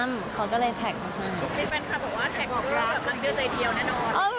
มีแฟนค่ะบอกว่าแท็กดูแล้วแบบนั้นเดียวในเดียวแน่นอน